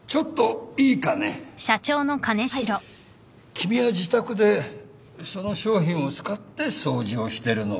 君は自宅でその商品を使って掃除をしてるのかな？